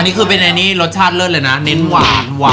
ดวงตกลงชีวิตนะคะ